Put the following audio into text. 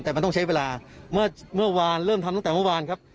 แต่มันต้องใช้เวลาเมื่อวานเริ่มทำตั้งแต่เมื่อวานครับ